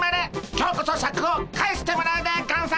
今日こそシャクを返してもらうでゴンス！